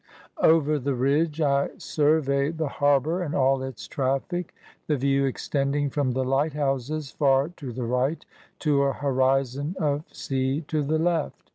Over the ridge, I survey the harbour and all its traffic, the view extending from the light houses far to the right, to a horizon of sea to the left.